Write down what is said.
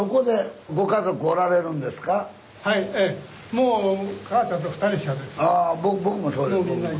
もうあ僕もそうです。